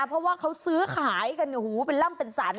เพราะว่าเขาซื้อขายกันเป็นร่ำเป็นสัน